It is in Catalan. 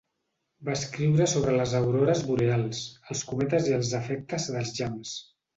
Va escriure sobre les aurores boreals, els cometes i els efectes dels llamps.